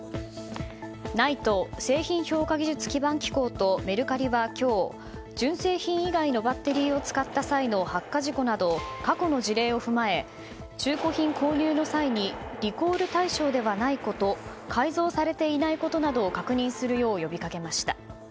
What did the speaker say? ＮＩＴＥ・製品評価技術基盤機構とメルカリは今日、純正品以外のバッテリーを使った際の発火事故など過去の事例を踏まえ中古品購入の際にリコール対象ではないこと改造されていないことなどを確認するよう呼びかけました。